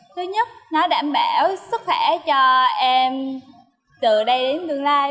thứ nhất nó đảm bảo sức khỏe cho em từ đây đến tương lai